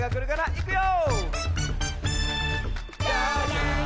いくよ！